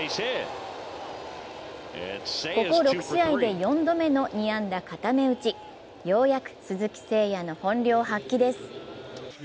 ここ６試合で４度目の２安打固め打ちようやく鈴木誠也の本領発揮です。